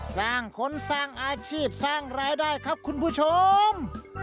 สร้างคนสร้างอาชีพสร้างรายได้ครับคุณผู้ชม